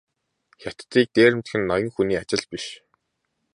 Хятадыг дээрэмдэх нь ноён хүний ажил биш.